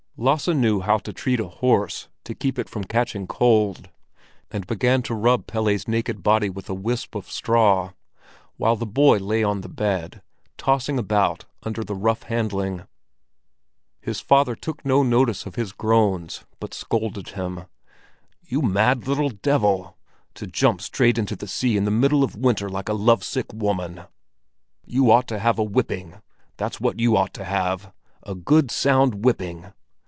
Lasse knew how to treat a horse to keep it from catching cold, and began to rub Pelle's naked body with a wisp of straw, while the boy lay on the bed, tossing about under the rough handling. His father took no notice of his groans, but scolded him. "You mad little devil, to jump straight into the sea in the middle of winter like a lovesick woman! You ought to have a whipping, that's what you ought to have—a good sound whipping!